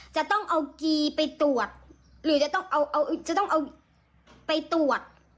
จะต้องเอากีไปตรวจหรือจะต้องเอาจะต้องเอาไปตรวจ